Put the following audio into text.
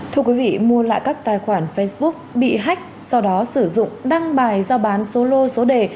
thưa quý vị mua lại các tài khoản facebook bị hách sau đó sử dụng đăng bài giao bán số lô số đề